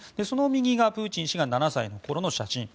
その右がプーチン氏が７歳の頃の写真。